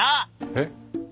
えっ？